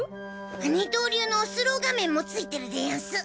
二刀流のスロー画面もついてるでヤンス。